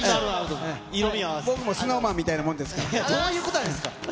僕もＳｎｏｗＭａｎみたいどういうことなんですか。